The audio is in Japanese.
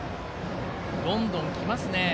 どんどん、きますね。